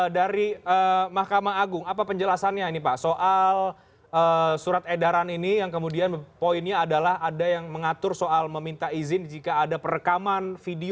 dari mahkamah agung apa penjelasannya ini pak soal surat edaran ini yang kemudian poinnya adalah ada yang mengatur soal meminta izin jika ada perekaman video